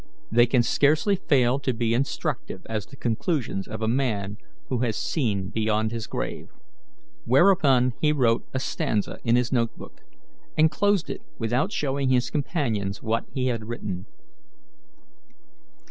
They can scarcely fail to be instructive as the conclusions of a man who has seen beyond his grave." Whereupon be wrote a stanza in his note book, and closed it without showing his companions what he had written.